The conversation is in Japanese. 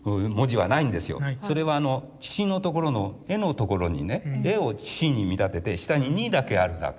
それはあの岸のところの絵のところにね絵を岸に見立てて下に「に」だけあるだけ。